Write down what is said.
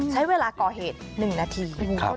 ใช้เวลาก่อเหตุ๑นาที